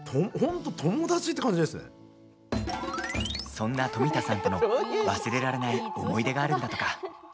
そんな富田さんとの忘れられない思い出があるんだとか。